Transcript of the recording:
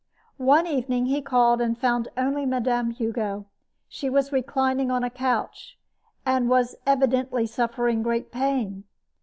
One evening he called and found only Mme. Hugo. She was reclining on a couch, and was evidently suffering great pain.